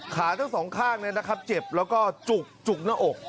ขาทั้งสองข้างเจ็บแล้วก็จุกจุกหน้าอก